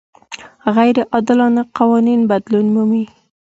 غیر عادلانه قوانین بدلون مومي.